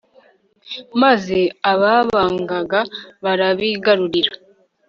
maze ababangaga, barabigarurira